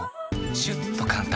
シュッと簡単！